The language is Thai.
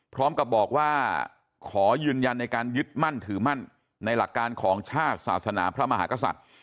พร้อมกับบอกว่าขอยืนยันในการยึดมั่นถือมั่นในหลักการของชาติศาสนาพระมหากษัตริย์